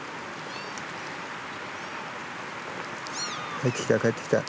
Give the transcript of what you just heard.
帰ってきた帰ってきた。